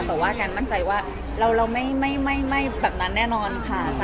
แต่ว่าแนนมั่นใจว่าเราไม่แบบนั้นแน่นอนค่ะ